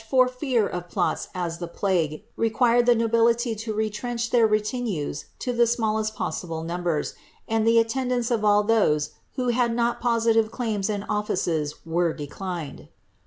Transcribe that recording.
307 fear of plots as the plague, required the nobility to retrench then reti nues to the smallest possible numbers, and the attendance of all those who had not positive claims and offices was declined.